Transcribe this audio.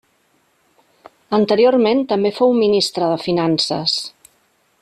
Anteriorment també fou ministre de finances.